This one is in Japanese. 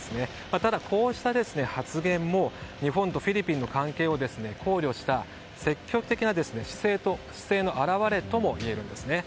ただ、こうした発言も、日本とフィリピンの関係を考慮した積極的な姿勢の表れともいえるんですね。